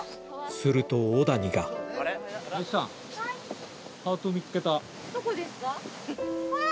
すると小谷があぁ！